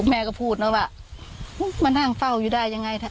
แม่ก็พูดนะว่ามานั่งเฝ้าอยู่ได้ยังไง